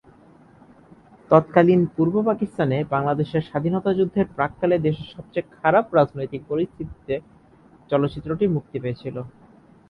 তৎকালীন পূর্ব পাকিস্তানে বাংলাদেশের স্বাধীনতা যুদ্ধের প্রাক্কালে দেশের সবচেয়ে খারাপ রাজনৈতিক পরিস্থিতিতে চলচ্চিত্রটি মুক্তি পেয়েছিল।